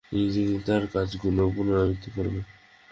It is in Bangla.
তিনি তিনি তার কাজ গুলো পুনরাবিত্তি করেন।